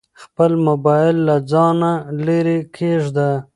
خپل موبایل له ځانه لیرې کېږده.